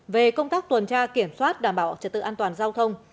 về công tác tuần tra kiểm soát đảm bảo trật tự an toàn giao thông